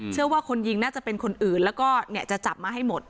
เชื่อว่าคนยิงน่าจะเป็นคนอื่นแล้วก็เนี่ยจะจับมาให้หมด